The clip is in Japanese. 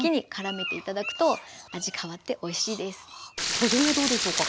保存はどうでしょうか？